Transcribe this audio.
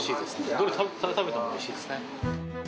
どれ食べてもおいしいですね。